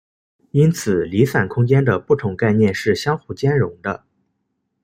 因此离散空间的不同概念是相互兼容的。